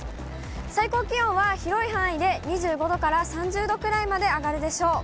最高気温は広い範囲で、２５度から３０度くらいまで上がるでしょう。